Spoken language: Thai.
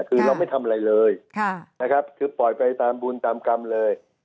คือเราไม่ทำอะไรเลยนะครับคือปล่อยไปตามบุญตามกรรมเลย